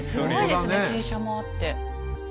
傾斜もあって。